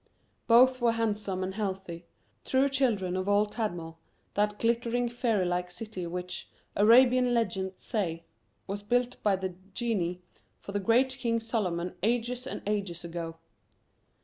Both were handsome and healthy true children of old Tadmor, that glittering, fairy like city which, Arabian legends say, was built by the genii for the great King Solomon ages and ages ago.